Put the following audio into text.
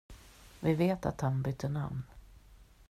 Vi vet att han bytte namn.